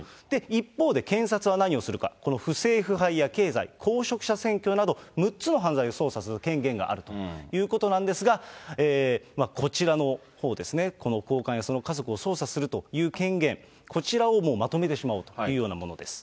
一方で検察は何をするか、その不正腐敗や経済、公職者選挙など、６つの犯罪を捜査する権限があるということなんですが、こちらのほうですね、この高官やその家族を捜査するという権限、こちらをまとめてしまおうというようなものです。